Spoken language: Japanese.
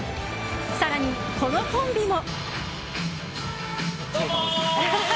更に、このコンビも。